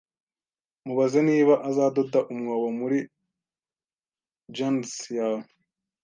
Mubaze niba azadoda umwobo muri jans yawe